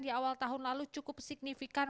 di awal tahun lalu cukup signifikan